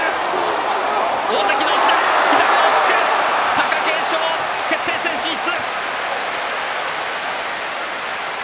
貴景勝、決定戦進出。